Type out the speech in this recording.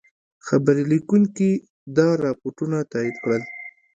خبرلیکونکي دا رپوټونه تایید کړل.